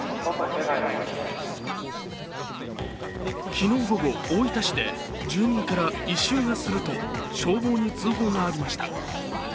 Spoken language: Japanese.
昨日午後、大分市で住民から異臭がすると消防に通報がありました。